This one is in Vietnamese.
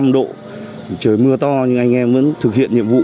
bốn mươi năm độ trời mưa to nhưng anh em vẫn thực hiện nhiệm vụ